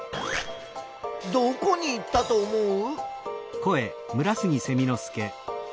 どこにいったと思う？